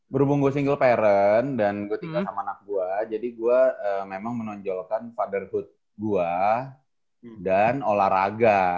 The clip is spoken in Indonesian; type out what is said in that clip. berhubung gue single parent dan gue tinggal sama anak buah jadi gue memang menonjolkan fotherhood gue dan olahraga